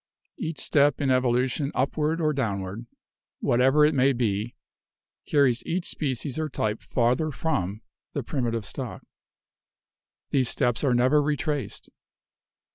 Each step in evolution upward or downward, whatever it may be, carries each species or type farther from the primitive stock. These steps are never retraced.